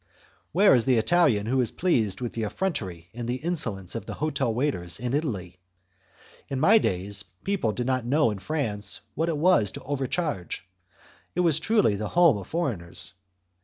Where is the Italian who is pleased with the effrontery and the insolence of the hotel waiters in Italy? In my days, people did not know in France what it was to overcharge; it was truly the home of foreigners.